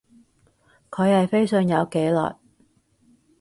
佢係非常有紀律